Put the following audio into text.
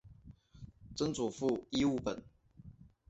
曾祖父尹务本。